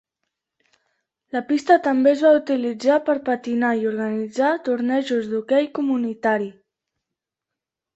La pista també es va utilitzar per patinar i organitzar tornejos d'hoquei comunitari.